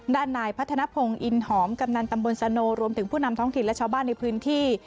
ด้านนายพัฒนภงอินหอมกำนันตำบลสโนรวมถึงผู้นำท้องถิ่นและชาวบ้านในพื้นที่